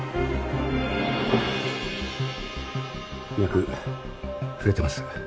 脈触れてます。